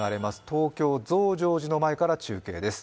東京・増上寺の前から中継です。